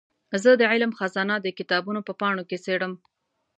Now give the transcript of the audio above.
زه د علم خزانه د کتابونو په پاڼو کې څېړم.